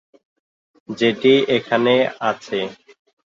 যেটি এখনো আছে।